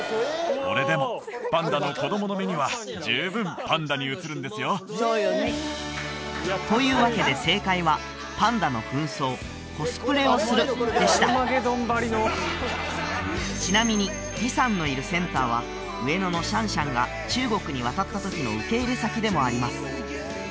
これでもパンダの子供の目には十分パンダに映るんですよというわけで正解は「パンダのふん装コスプレをする」でしたちなみに李さんのいるセンターは上野のシャンシャンが中国に渡った時の受け入れ先でもあります